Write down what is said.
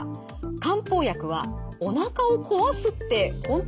「漢方薬はおなかを壊すってほんと？」。